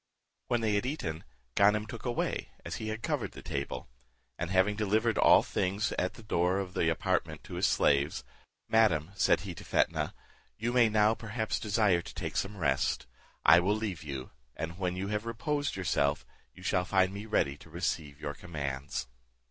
When they had eaten, Ganem took away, as he had covered the table; and having delivered all things at the door of the apartment to his slaves, "Madam," said he to Fetnah, "you may now perhaps desire to take some rest; I will leave you, and when you have reposed yourself, you shall find me ready to receive your commands."